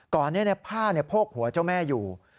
ก่อนนี้ผ้าโพกหัวเจ้าแม่อยู่